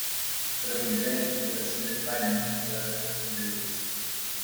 Fue la primera interpretación de España en el Festival de la Canción de Eurovisión.